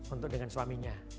untuk dengan suaminya